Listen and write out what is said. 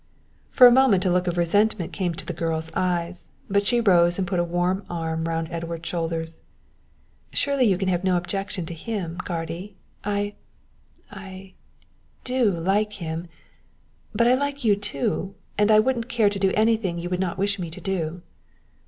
For a moment a look of resentment came into the girl's eyes, but she rose and put a warm arm round Edward's shoulders. "Surely you can have no objection to him, guardy. I I do like him; but I like you, too, and I wouldn't care to do anything you would not wish me to do."